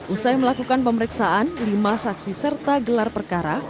usai melakukan pemeriksaan lima saksi serta gelar perkara